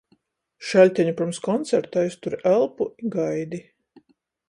Šaļteņu pyrms koncerta aizturi elpu i gaidi.